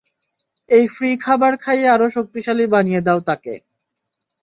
এই ফ্রী খাবার খাইয়ে আরো শক্তিশালী বানিয়ে দাও তাকে।